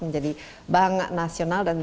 menjadi bank nasional dan